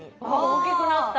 大きくなった。